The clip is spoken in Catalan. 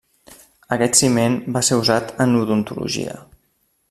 Aquest ciment va ser usat en odontologia.